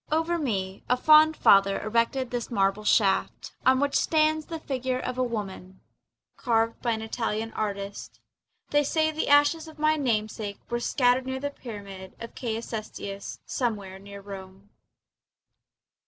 Over me a fond father erected this marble shaft, On which stands the figure of a woman Carved by an Italian artist. They say the ashes of my namesake Were scattered near the pyramid of Caius Cestius Somewhere near Rome.